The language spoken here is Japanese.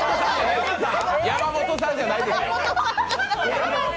山本さんじゃないです！